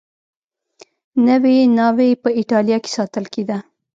نوې ناوې په اېټالیا کې ساتل کېده